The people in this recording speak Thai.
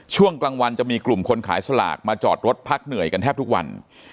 ช่วงกลางวันจะมีกลุ่มคนขายสลากมาจอดรถพักเหนื่อยกันแทบทุกวัน